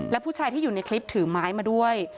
และผู้ชายที่อยู่ในคลิปถือไม้มาด้วย